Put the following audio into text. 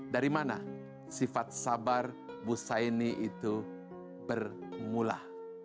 dari mana sifat sabar ibu saya ini itu bermula